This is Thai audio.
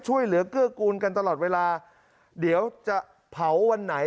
ช่วยเหลือเบื้อกุญกันตลอดเวลาเดี๋ยวจะเผาวันไหน